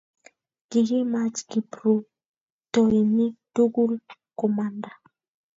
kikimach kiprutoinik tugul komanda